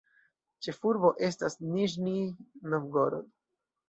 Ĉefurbo estas Niĵnij Novgorod.